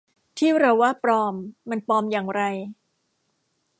ที่เราว่า ปลอม มันปลอมอย่างไร